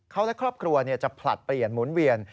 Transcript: เขาและครอบครัวจะผลัดเปลี่ยนหมุนเวียน